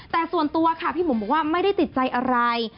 แต่ส่วนตัวค่ะพี่บุ๋มบอกว่าไม่ได้ติดใจอะไร